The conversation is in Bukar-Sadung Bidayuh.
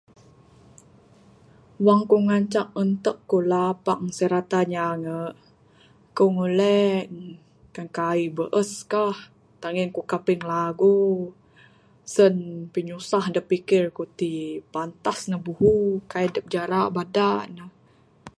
Wang kuk ngancak entuk kuk lapang sereta nyangu', kuk nguleng. Kan kaik beus kah tangin kuk kaping lagu. Sen pinyusah da pikir kuk tik pantas ne buhu. Kaik dup jara' bada ne.